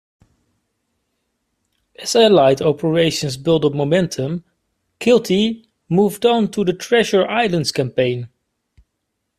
As Allied operations built up momentum, "Kilty" moved on to the Treasury Islands Campaign.